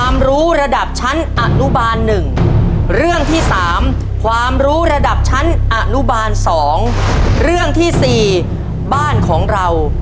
บรรจุฐานพี่เคลือเลือกเลยนะ